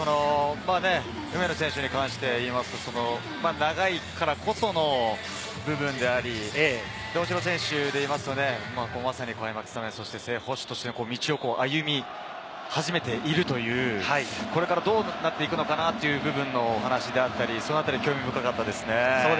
梅野選手に関して言うと、長いからこその部分であり、大城選手で言うと、開幕スタメン、正捕手として道を歩み始めているという、これからどうなっていくのかなという部分のお話であったり、興味深かったですね。